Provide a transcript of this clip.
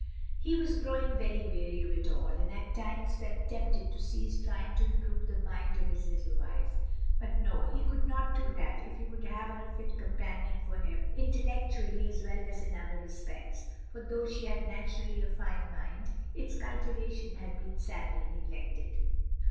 He was growing very weary of it all, and at times felt tempted to cease trying to improve the mind of his little wife; but no, he could not do that if he would have her a fit companion for him intellectually as well as in other respects, for though she had naturally a fine mind, its cultivation had been sadly neglected.